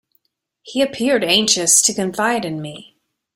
He appeared anxious to confide in me.